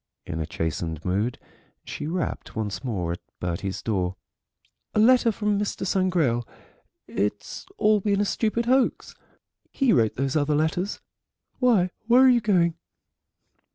In a chastened mood she rapped once more at Bertie's door. "A letter from Mr. Sangrail. It's all been a stupid hoax. He wrote those other letters. Why, where are you going?"